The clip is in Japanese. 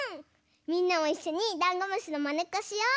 みんなもいっしょにダンゴムシのまねっこしよう！